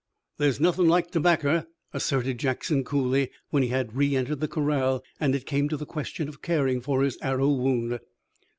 "There's nothing like tobacker," asserted Jackson coolly when he had reëntered the corral and it came to the question of caring for his arrow wound.